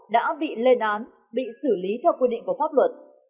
đã bị lên án bị xử lý theo quy định của pháp luật